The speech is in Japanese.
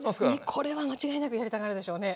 これは間違いなくやりたがるでしょうね。